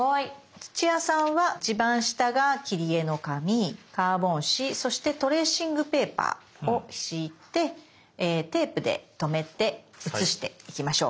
土屋さんは一番下が切り絵の紙カーボン紙そしてトレーシングペーパーを敷いてテープでとめて写していきましょう。